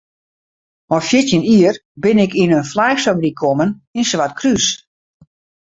Mei fjirtjin jier bin ik yn in flaaksfabryk kommen yn Swartkrús.